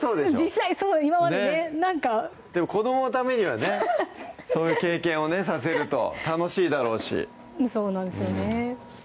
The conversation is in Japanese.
実際そう今までねなんかでも子どものためにはねそういう経験をねさせると楽しいだろうしそうなんですよね